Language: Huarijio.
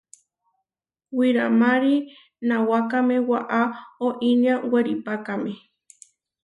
Wiramári nawákame waʼá oinéa weripákame.